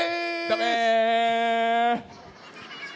ダメ！